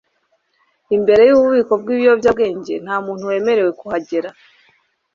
imbere yububiko bwibiyobyabwenge, ntamuntu wemerewe kuhagera